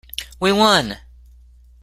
We won!